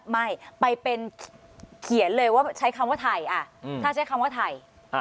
ไม่ไปเป็นเขียนเลยว่าใช้คำว่าไทยถ้าใช้คำว่าไทย